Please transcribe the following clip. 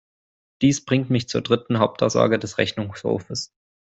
Dies bringt mich zur dritten Hauptaussage des Rechnungshofes.